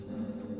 saya keluar remeh